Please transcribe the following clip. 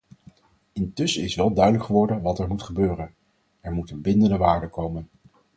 Intussen is wel duidelijk geworden wat er moet gebeuren: er moeten bindende waarden komen.